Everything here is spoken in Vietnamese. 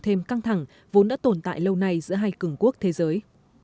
thêm căng thẳng vốn đã tồn tại lâu nay giữa hai cường quốc thế giới